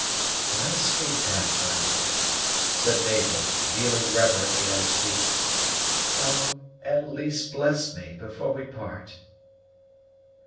"Bless me, Pathfinder," said Mabel, kneeling reverently at his feet. "Oh, at least bless me before we part!"